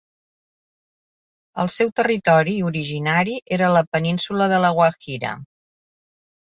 El seu territori originari era la península de La Guajira.